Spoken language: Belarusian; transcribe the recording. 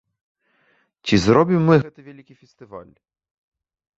Ці зробім мы гэты вялікі фестываль?